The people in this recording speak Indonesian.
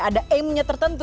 ada aimnya tertentu